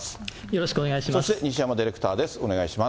よろしくお願いします。